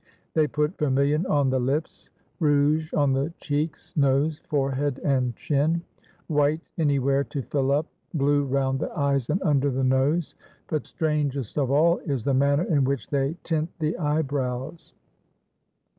They put vermilion on the lips, rouge on the cheeks, nose, forehead and chin, white anywhere to fill up, blue round the eyes and under the nose. But strangest of all is the manner in which they tint the eyebrows.